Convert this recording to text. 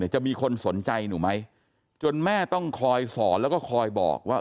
จะมีคนสนใจหนูไหมจนแม่ต้องคอยสอนแล้วก็คอยบอกว่า